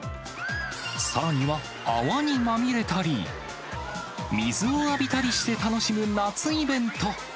さらには、泡にまみれたり、水を浴びたりして楽しむ夏イベント。